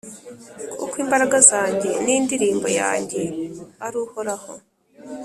kuko imbaraga zanjye n’indirimbo yanjye ari Uhoraho,